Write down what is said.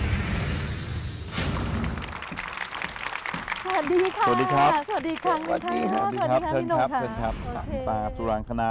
สวัสดีค่ะสวัสดีครับสวัสดีครับสวัสดีครับสวัสดีครับสวัสดีครับสวัสดีครับ